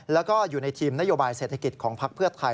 แล้วก็อยู่ในทีมนโยบายเศรษฐกิจของพักเพื่อไทย